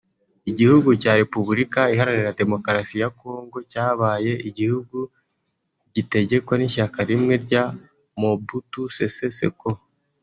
Igihugu cya Repubulika iharanira Demokarasi ya Kongo cyabaye igihugu gitegekwa n’ishyaka rimwe rya Mobutu Sese Seko